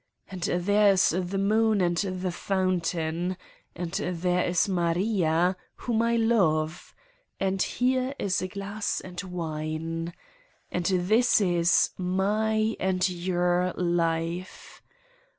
And there is the moon and the fountain. And there is Maria, whom I love. And here is a glass and wine. And this is my and your life.